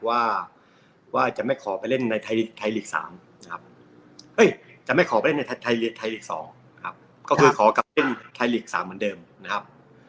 ว่าจะไม่ขอไปเล่นในไทรกิจ๒ก็คือขอกลับเล่นไทรกิจ๓เหมือนเดิมนะครับ